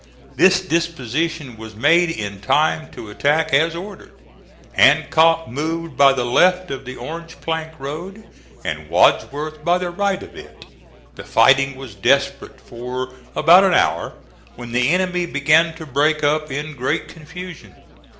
This disposition was made in time to attack as ordered. Hancock moved by the left of the Orange Plank Road, and Wadsworth by the right of it. The fighting was desperate for about an hour, when the enemy began to break up in great confusion.